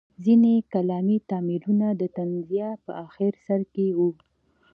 ځینې کلامي تمایلونه د تنزیه په اخر سر کې وو.